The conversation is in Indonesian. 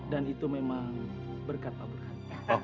dan itu memang berkat pak burhan